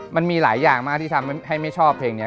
มันมีหลายอย่างมากที่ทำให้ไม่ชอบเพลงนี้